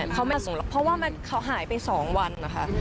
เพราะว่าเขาหายไปสองวันนะคะ